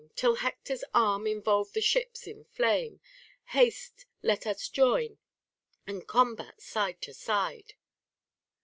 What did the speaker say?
Till Hector's arm involve the ships in flame? Haste, let us join, and combat side by side.